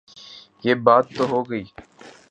یہ بات تو ہو گئی۔